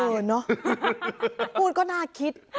เนอะพูดก็น่าคิด